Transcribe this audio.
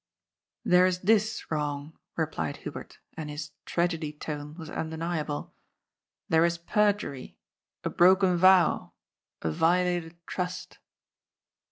" There is this wrong," replied Hubert, and his " trag edy tone " was undeniable. " There is perjury — a broken vow — a violated trust."